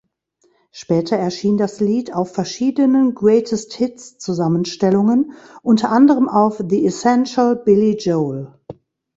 Später erschien das Lied auf verschiedenen Greatest-Hits-Zusammenstellungen, unter anderem auf "The Essential Billy Joel".